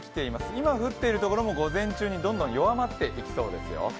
今降っている所も午前中にだんだん弱まっていきます。